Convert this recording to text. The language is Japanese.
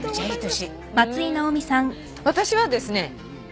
私はですね。